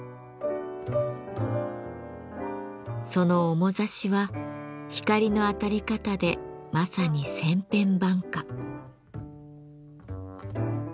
その面ざしは光の当たり方でまさに千変万化。